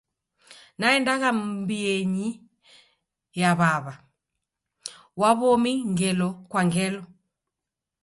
Naendagha mbienyi ya w'aw'a wa w'omi ngelo kwa ngelo.